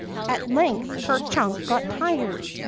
'' At length Ker Chunk got tired.